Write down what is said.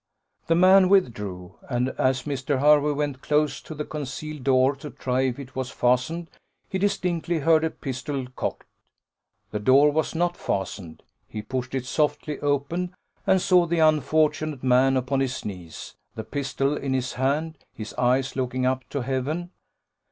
The man withdrew; and as Mr. Hervey went close to the concealed door, to try if it was fastened, he distinctly heard a pistol cocked. The door was not fastened: he pushed it softly open, and saw the unfortunate man upon his knees, the pistol in his hand, his eyes looking up to heaven.